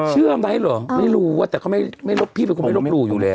เชื่อไหมหรอไม่รู้อ่ะแต่พี่ไม่รบรู้อยู่แล้ว